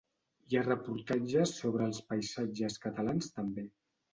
Hi ha reportatges sobre els paisatges catalans també.